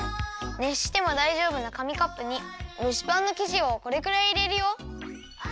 ねっしてもだいじょうぶなかみカップに蒸しパンのきじをこれくらいいれるよ。